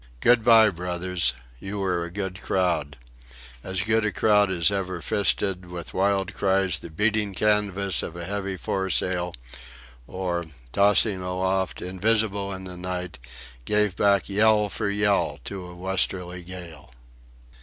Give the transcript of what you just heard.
Good bye, brothers! You were a good crowd. As good a crowd as ever fisted with wild cries the beating canvas of a heavy foresail; or tossing aloft, invisible in the night, gave back yell for yell to a westerly gale.